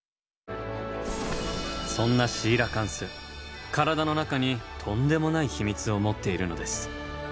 そんなシーラカンス体の中にとんでもない秘密を持っているのです。